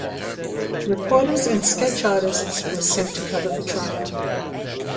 Reporters and sketch artists were sent to cover the trial.